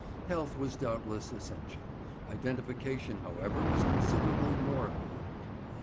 Health was doubtless essential; identification, however, was considerably more important.